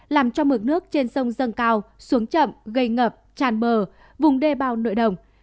làm cho mực nước trên sông dâng cao xuống chậm gây ngập tràn bờ vùng đê bao nội đồng